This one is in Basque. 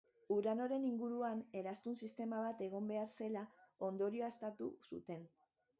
Uranoren inguruan eraztun sistema bat egon behar zela ondorioztatu zuten.